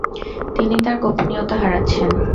তিনি তার গোপনীয়তা হারাচ্ছেন ।